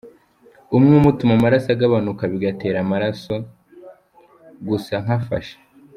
Umwuma utuma amaraso agabanuka bigatera amaraso gusa nk’afashe.